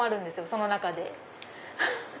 その中で。